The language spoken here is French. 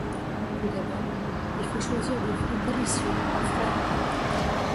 Tout d’abord, il faut choisir des fruits délicieux, frais.